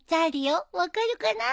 分かるかな？